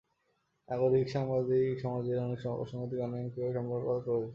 নাগরিক সাংবাদিক সমাজের অনেক অসংগতি, অনিয়ম কিংবা সম্ভাবনার কথা তুলে ধরছেন।